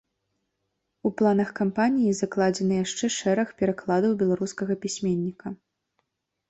У планах кампаніі закладзены яшчэ шэраг перакладаў беларускага пісьменніка.